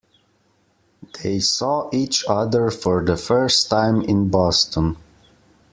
They saw each other for the first time in Boston.